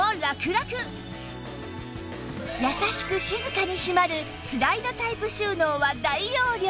優しく静かに閉まるスライドタイプ収納は大容量